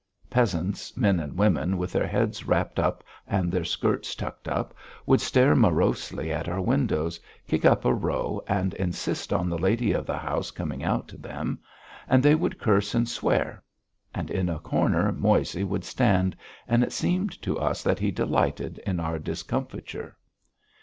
Peasants, men and women with their heads wrapped up and their skirts tucked up, would stare morosely at our windows, kick up a row and insist on the lady of the house coming out to them; and they would curse and swear. And in a corner Moissey would stand, and it seemed to us that he delighted in our discomfiture.